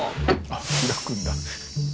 あっ開くんだ。